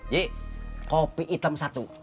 jik kopi hitam satu